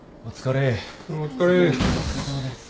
お疲れ。